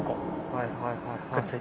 はいはいはいはい。